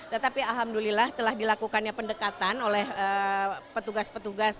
tetapi alhamdulillah telah dilakukannya pendekatan oleh petugas petugas